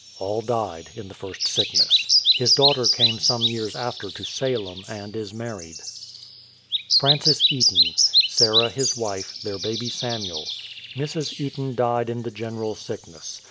All died in the first sickness. His daughter came some years after to Salem, and is married. FRANCIS EATON; Sarah, his wife; their baby, Samuel. Mrs. Eaton died in the general sickness.